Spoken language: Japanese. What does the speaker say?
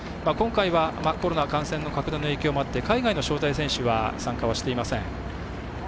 今回はコロナ感染の拡大の影響もあって海外の招待選手は参加をしていません。